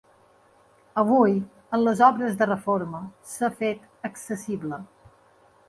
Avui, amb les obres de reforma, s'ha fet accessible.